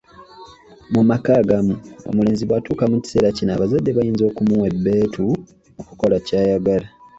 Mu maka agamu omulenzi bwatuuka mu kiseera kino abazadde bayinza okumuwa ebbeetu okukola ky'ayagala.